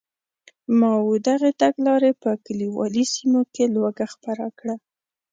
ماوو دغې تګلارې په کلیوالي سیمو کې لوږه خپره کړه.